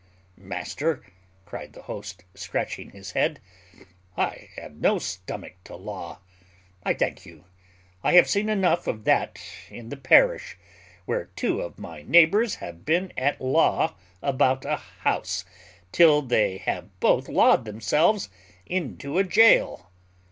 "Master," cried the host, scratching his head, "I have no stomach to law, I thank you. I have seen enough of that in the parish, where two of my neighbours have been at law about a house, till they have both lawed themselves into a gaol."